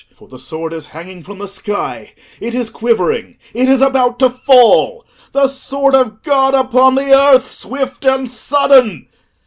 "For the sword is hanging from the sky; it is quivering; it is about to fall! The sword of God upon the earth, swift and sudden!